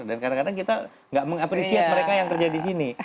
dan kadang kadang kita nggak mengapresiasi mereka yang kerja di sini